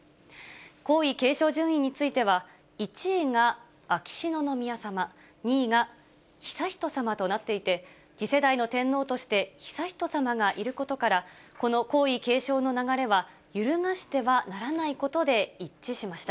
皇位継承順位については、１位が秋篠宮さま、２位が悠仁さまとなっていて、次世代の天皇として悠仁さまがいることから、この皇位継承の流れはゆるがしてはならないことで一致しました。